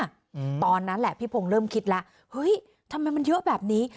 อืมตอนนั้นแหละพี่พงศ์เริ่มคิดแล้วเฮ้ยทำไมมันเยอะแบบนี้